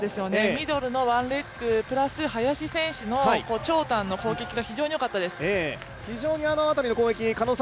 ミドルのワンレグ、プラス、林選手の長短の攻撃が非常によかったです。